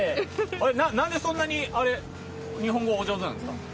何でそんなに日本語がお上手なんですか？